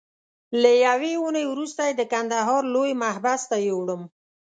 له یوې اونۍ وروسته یې د کندهار لوی محبس ته یووړم.